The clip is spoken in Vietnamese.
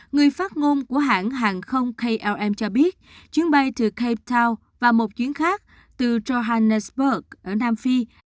người phát ngôn của hãng hàng không klm cho biết chuyến bay từ cay town và một chuyến khác từ johnesburg ở nam phi